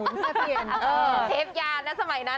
เทปยานั้นสมัยนั้น